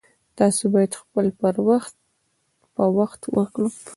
تاسو باید خپل پر وخت په وخت وکړئ